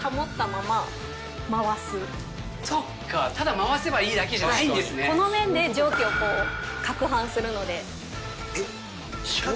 そっか、ただ回せばいいだけこの面で蒸気をこうかくはんするので。